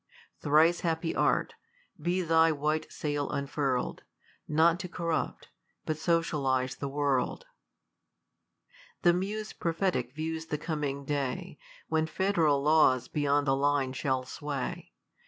Thrice happy art ! be thy white sail unfuri'd, Not to corrupt, but socialize the world. The muse prophetic views the coming day, When federal laws beyond the line shall sway.